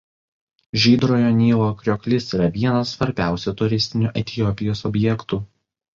Žydrojo Nilo krioklys yra vienas svarbiausių turistinių Etiopijos objektų.